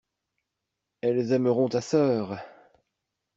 Elles aimeront ta sœur.